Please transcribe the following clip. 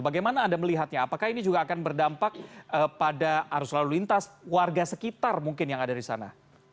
bagaimana anda melihatnya apakah ini juga akan berdampak pada arus lalu lintas warga sekitar mungkin yang ada di sana